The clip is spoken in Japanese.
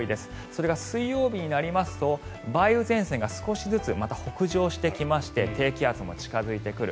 それが水曜日になりますと梅雨前線が少しずつまた北上してきまして低気圧も近付いてくる。